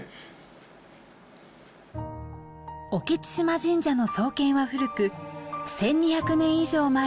隠津島神社の創建は古く１２００年以上前の奈良時代。